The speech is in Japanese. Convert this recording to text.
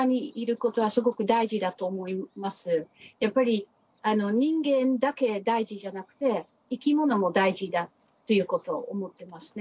やっぱり人間だけ大事じゃなくていきものも大事だということを思ってますね。